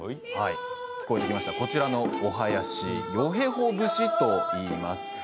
聞こえてきましたこちらのお囃子よへほ節といいます。